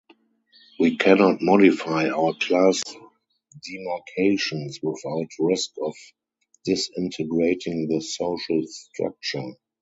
We cannot modify our class demarcations without risk of disintegrating the social structure.